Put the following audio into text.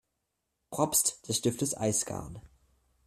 Propst des Stiftes Eisgarn.